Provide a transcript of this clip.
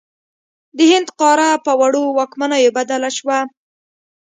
د هند قاره په وړو واکمنیو بدله شوه.